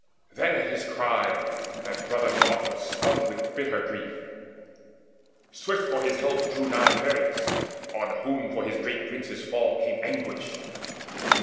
Then at his cry that brother's heart was stung With bitter grief. Swift for his help drew nigh Phereus, on whom for his great prince's fall Came anguish.